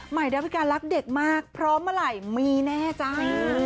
ใหม่ดาวิการักเด็กมากพร้อมเมื่อไหร่มีแน่จ้า